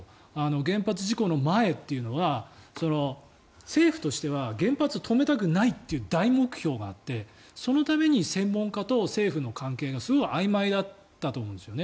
原発事故の前というのが政府としては原発を止めたくないっていう大目標があってそのために専門家と政府の関係がすごくあいまいだったと思うんですよね。